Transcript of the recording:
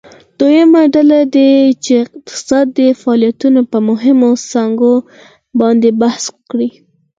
دویمه ډله دې د اقتصادي فعالیتونو په مهمو څانګو باندې بحث وکړي.